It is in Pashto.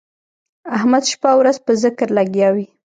احمد شپه او ورځ په ذکر لګیا وي.